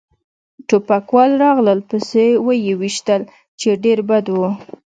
ټوپکوال راغلل پسې و يې ویشتل، چې ډېر بد و.